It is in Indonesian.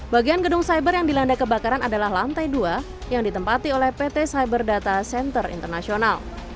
bagian gedung cyber yang dilanda kebakaran adalah lantai dua yang ditempati oleh pt cyber data center internasional